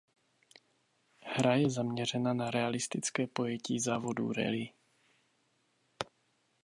Hra je zaměřena na realistické pojetí závodů rally.